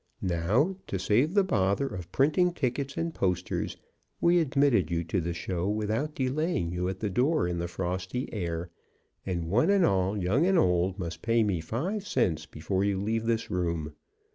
Now, to save the bother of printing tickets and posters, we admitted you to the show without delaying you at the door in the frosty air, and one and all, old and young, must pay me five cents before you leave this room.